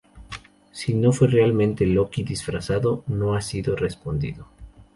Si no fue realmente Loki disfrazado no ha sido respondido.